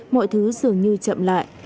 mọi thứ dường như chậm lại